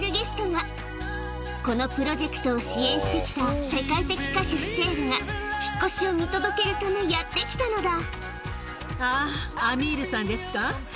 このプロジェクトを支援して来た世界的歌手シェールが引っ越しを見届けるためやって来たのだ